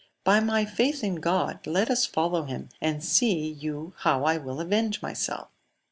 By my faith in God, let us follow him, and see you how I will avenge myself.